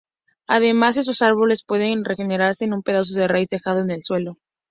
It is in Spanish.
Además, estos árboles pueden regenerarse de un pedazo de raíz dejado en el suelo.